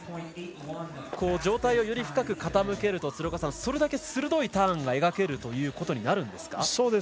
上体をより深く傾けるとそれだけ鋭いターンを描けるということになるんですか。